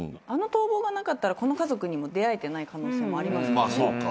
あの逃亡がなかったらこの家族にも出会えてない可能性もありますからね。